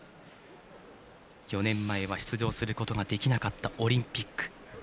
４年前は出場することができなかったオリンピック。